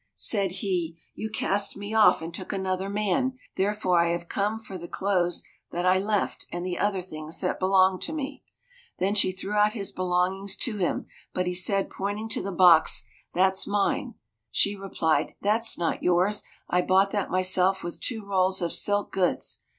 Said he, "You cast me off and took another man, therefore I have come for the clothes that I left, and the other things that belong to me." Then she threw out his belongings to him, but he said, pointing to the box, "That's mine." She replied, "That's not yours; I bought that myself with two rolls of silk goods."